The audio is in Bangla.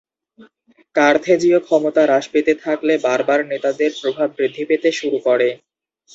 কার্থেজীয় ক্ষমতা হ্রাস পেতে থাকলে বার্বার নেতাদের প্রভাব বৃদ্ধি পেতে শুরু করে।